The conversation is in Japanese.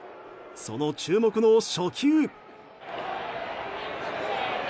その注目の初球。